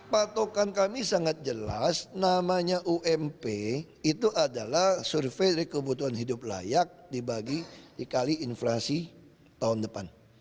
patokan kami sangat jelas namanya ump itu adalah survei dari kebutuhan hidup layak dibagi dikali inflasi tahun depan